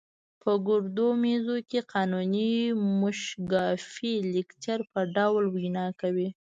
په ګردو میزونو کې قانوني موشګافۍ د لیکچر په ډول وینا کوي.